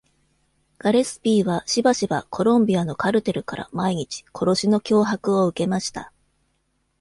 ガレスピーはしばしばコロンビアのカルテルから毎日、殺しの脅迫を受けました。